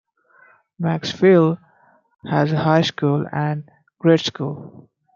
Macksville has a high school and grade school.